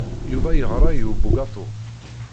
Yuba yeɣra i ubugaṭu.